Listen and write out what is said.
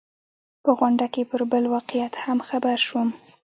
په غونډه کې پر بل واقعیت هم خبر شوم.